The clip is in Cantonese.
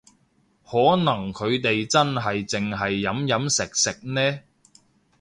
可能佢哋真係淨係飲飲食食呢